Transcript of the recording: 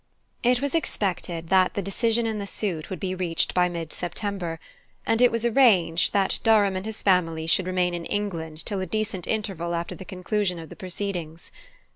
It was expected that the decision in the suit would be reached by mid September; and it was arranged that Durham and his family should remain in England till a decent interval after the conclusion of the proceedings.